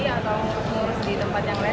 atau ngurus di tempat yang lain